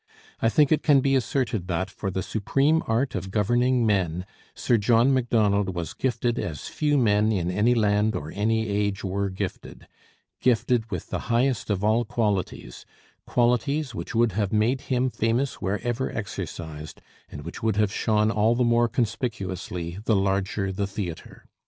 I think it can be asserted that, for the supreme art of governing men, Sir John Macdonald was gifted as few men in any land or any age were gifted gifted with the highest of all qualities, qualities which would have made him famous wherever exercised, and which would have shone all the more conspicuously the larger the theatre.